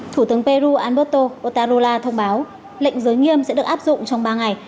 thủ tướng peru alberto otarola thông báo lệnh giới nghiêm sẽ được áp dụng trong ba ngày